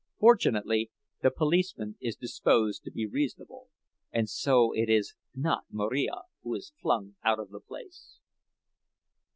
Fortunately, the policeman is disposed to be reasonable, and so it is not Marija who is flung out of the place.